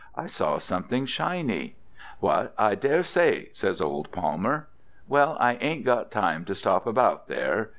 I saw something shiny.' 'What! I daresay,' says old Palmer; 'Well, I ain't got time to stop about there.